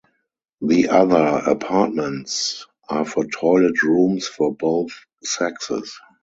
The other apartments are for toilet rooms for both sexes.